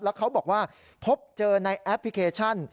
แล้วเขาบอกว่าพบเจอในแอปพลิเคชัน